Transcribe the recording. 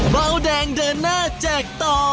เบาแดงเดินหน้าแจกต่อ